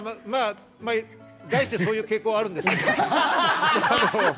まぁ、そういう傾向はあるんですけど。